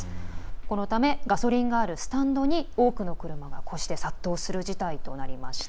このためガソリンがあるスタンドに多くの車が殺到する事態となりました。